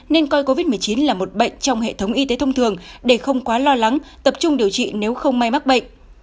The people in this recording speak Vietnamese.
nên coi covid một mươi chín là một bệnh trong hệ thống y tế thông thường để không quá lo lắng tập trung điều trị nếu không may mắc bệnh